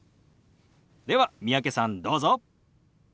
では三宅さんどうぞ。